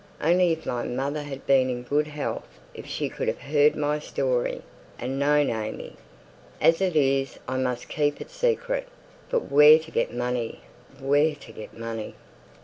Only if my mother had been in good health if she could have heard my story, and known AimÄe! As it is I must keep it secret; but where to get money? Where to get money?"